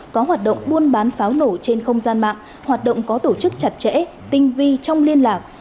có hoạt động buôn bán pháo nổ trên không gian mạng hoạt động có tổ chức chặt chẽ tinh vi trong liên lạc